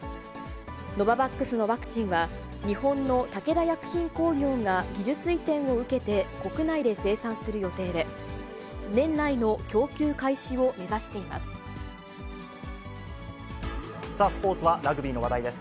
ノババックスのワクチンは、日本の武田薬品工業が技術移転を受けて国内で生産する予定で、スポーツはラグビーの話題です。